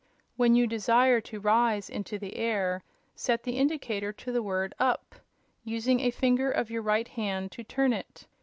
When you desire to rise into the air set the indicator to the word 'up,' using a finger of your right hand to turn it.